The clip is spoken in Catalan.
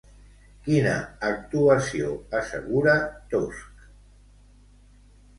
Quina actuació assegura Tusk?